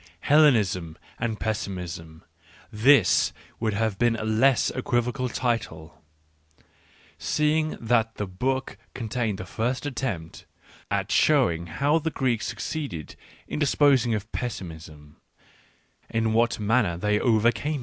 " Hellenism and Pessimism "— this would have been a less equivocal title, seeing that the book contains the first attempt at showing ho wjhs Gregk ^su cceeded in disposing^ of pessimism —* n what manner they overcame it.